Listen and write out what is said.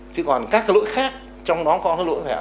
chứ còn các cái lỗi khác trong đó có cái lỗi phải hạ tầng